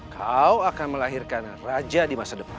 kau akan melahirkan raja di masa depan